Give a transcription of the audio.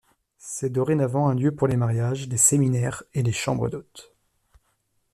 C'est dorénavant un lieu pour les mariages, les séminaires et les chambres d'hôtes.